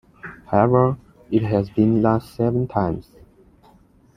However, it has been last seven times.